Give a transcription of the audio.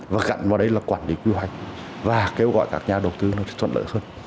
và gắn vào đây là quản lý quy hoạch và kêu gọi các nhà đầu tư nó sẽ thuận lợi hơn